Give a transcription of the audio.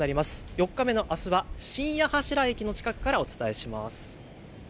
４日目のあすは新八柱駅の近くからお伝えします。